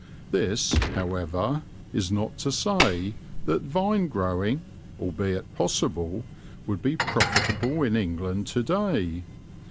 This, however, is not to say that vine growing, albeit possible, would be profitable in England to day.